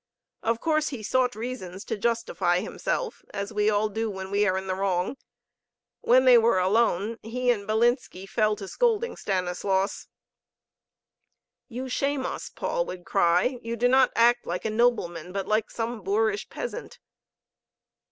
Of course he sought reasons to justify himself, as we all do when we are in the wrong. When they were alone, he and Bilinski fell to scolding Stanislaus. "You shame us!" Paul would cry. "You do not act like a nobleman, but like some boorish peasant."